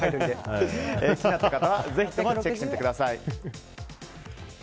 気になった方は、ぜひともチェックしてみてください。